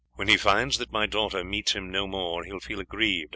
"When he finds that my daughter meets him no more he will feel aggrieved.